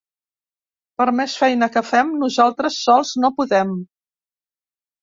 Per més feina que fem, nosaltres sols no podem.